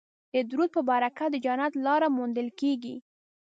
د درود په برکت د جنت لاره موندل کیږي